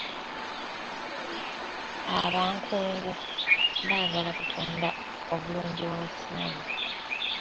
Abankungu baagala kutunda obulungi bwa West Nile.